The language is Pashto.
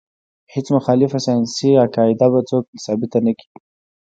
هیڅ مخالفه ساینسي قاعده به څوک ثابته نه کړي.